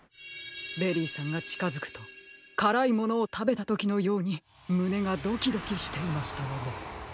ベリーさんがちかづくとからいものをたべたときのようにむねがドキドキしていましたので。